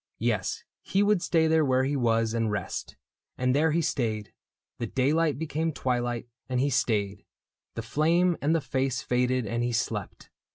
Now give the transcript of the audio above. Yes, he would stay There where he was and rest. — And there he stayed ; The daylight became twilight, and he stayed; The flame and the face faded, and be slept.